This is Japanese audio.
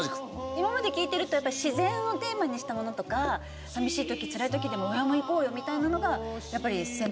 今まで聞いてると自然をテーマにしたものとか寂しい時つらい時でも上を向こうよみたいなのがやっぱり先輩方